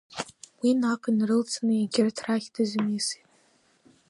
Уи наҟ инарылаҵаны егьырҭ рахь дызмиасит.